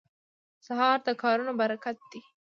سهار د کارونو برکت دی.